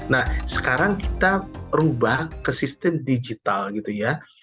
nah sekarang kita rubah ke sistem digital gitu ya